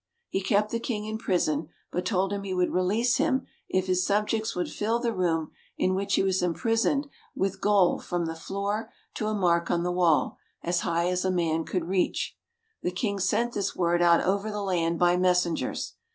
He kept the king in prison, but told him he would release him if his subjects would fill the room in which he was imprisoned with gold from the floor to a mark on the wall as high up as a man could reach. The king sent this word out over the land by messengers.